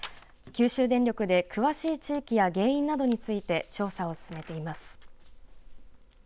九州電力で詳しい地域や原因などについて調査を進めています。